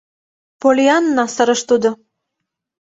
— Поллианна! — сырыш тудо.